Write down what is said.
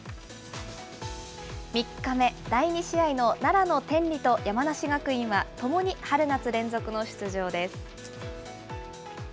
３日目、第２試合の奈良の天理と山梨学院はともに春夏連続の出場です。